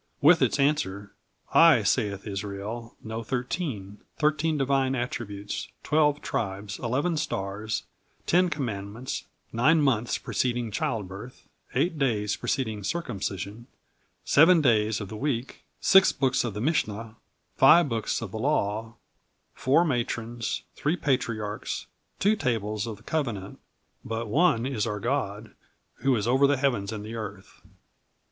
with its answer: I, saith Israel, know thirteen: Thirteen divine attributes twelve tribes eleven stars ten commandments nine months preceding childbirth eight days preceding circumcision seven days of the week six books of the Mishnah five books of the Law four matrons three patriarchs two tables of the covenant but One is our God, who is over the heavens and the earth.